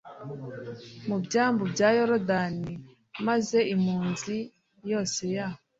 mu byambu bya yorodani maze impunzi yose ya